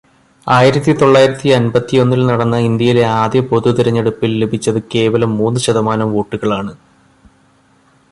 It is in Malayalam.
ആയിരത്തി തൊള്ളായിരത്തി അമ്പതിയൊന്നില് നടന്ന ഇന്ത്യയിലെ ആദ്യ പൊതുതെരെഞ്ഞെടുപ്പില് ലഭിച്ചത് കേവലം മൂന്ന് ശതമാനം വോട്ടുകളാണ്.